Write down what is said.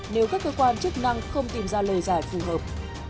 nếu các cơ quan chức năng không tìm ra lời giải phù hợp